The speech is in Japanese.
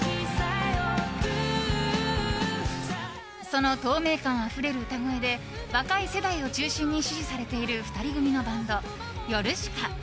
その透明感あふれる歌声で若い世代を中心に支持されている２人組のバンド・ヨルシカ。